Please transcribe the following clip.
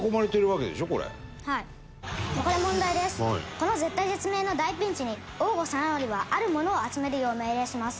この絶体絶命の大ピンチに淡河定範はあるものを集めるよう命令します。